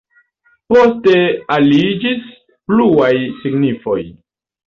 Poste aliĝis pluaj signifoj.